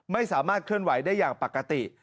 ไม่สามารถเคลื่อนไหวได้อย่างปกติ